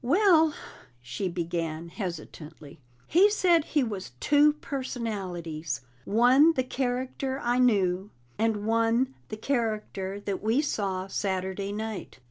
"Well," she began hesitantly, "he said he was two personalities one the character I knew, and one the character that we saw Saturday night.